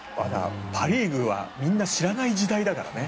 パ・リーグはみんな知らない時代だからね。